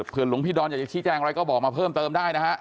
เพื่อหลวงพี่ดอนอยากจะชี้แจงอะไรก็บอกมาเพิ่มเติมได้นะฮะ